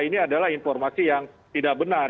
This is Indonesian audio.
ini adalah informasi yang tidak benar